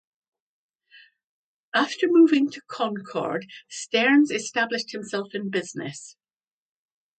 After moving to Concord, Stearns established himself in business.